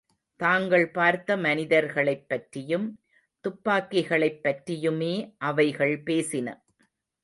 தாங்கள் பார்த்த மனிதர்களைப் பற்றியும், துப்பாக்கிகளைப் பற்றியுமே அவைகள் பேசின.